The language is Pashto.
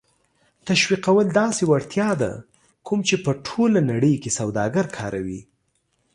تشویقول داسې وړتیا ده کوم چې په ټوله نړۍ کې سوداگر کاروي